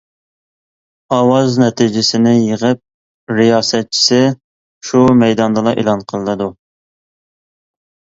ئاۋاز نەتىجىسىنى يىغىن رىياسەتچىسى شۇ مەيداندىلا ئېلان قىلىدۇ.